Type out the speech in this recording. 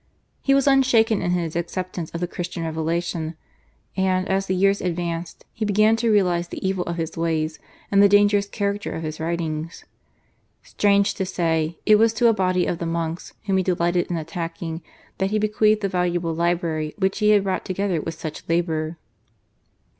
He was unshaken in his acceptance of the Christian revelation, and, as the years advanced, he began to realise the evil of his ways and the dangerous character of his writings. Strange to say, it was to a body of the monks, whom he delighted in attacking, that he bequeathed the valuable library which he had brought together with such labour.